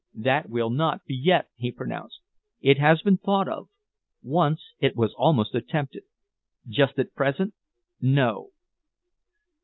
"That will not be yet," he pronounced. "It has been thought of. Once it was almost attempted. Just at present, no."